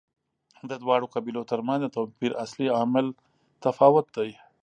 د دواړو قبیلو ترمنځ د توپیر اصلي عامل تفاوت دی.